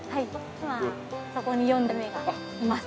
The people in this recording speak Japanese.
今そこに四代目がいます。